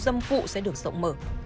đôi gian phu dâm phụ sẽ được rộng mở